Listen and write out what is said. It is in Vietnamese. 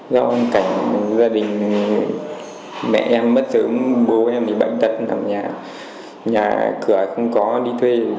do hông cảnh gia đình mẹ em mất sớm bố em thì bệnh tật nằm nhà nhà cửa không có đi thuê